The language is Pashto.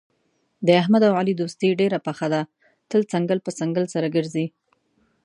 د احمد او علي دوستي ډېره پخه ده، تل څنګل په څنګل سره ګرځي.